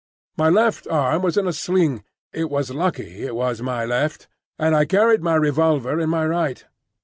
My left arm was in a sling (it was lucky it was my left), and I carried my revolver in my right.